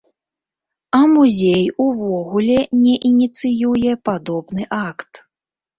А музей увогуле не ініцыюе падобны акт.